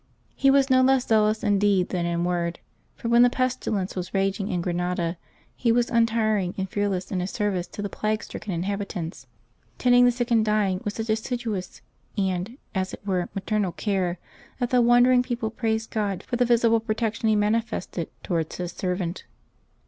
He was no less zealous in deed than in word; for when the pestilence was raging in Granada he was untiring and fearless in his service to the plague stricken inhabitants, tending the sick and dying with such assiduous and, as it were, maternal care, that the wondering people praised God for the visible protection He manifested towards His servant.